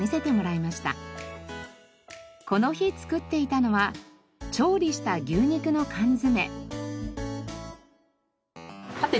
この日作っていたのは調理した牛肉の缶詰。